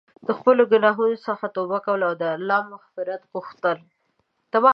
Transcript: د خپلو ګناهونو څخه توبه کول او د الله مغفرت غوښتل.